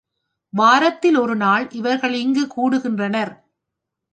வாரத்தில் ஒரு நாள் இவர்கள் இங்குக் கூடுகின்றனர்.